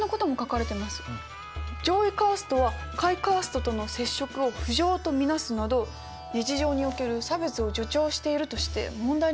上位カーストは下位カーストとの接触を不浄と見なすなど日常における差別を助長しているとして問題になってるようです。